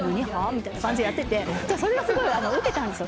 みたいな感じでやっててそれがすごいウケたんです